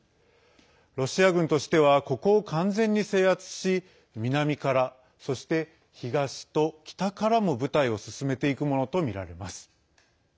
ロシア軍としてはここを完全に制圧し南から、そして東と北からも部隊を進めていくものとみられます。